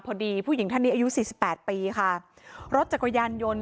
พอดีผู้หญิงท่านนี้อายุสี่สิบแปดปีค่ะรถจักรยานยนต์